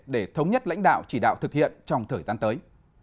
để thống nhất lãnh đạo chỉ đạo thực hiện trong thời gian tới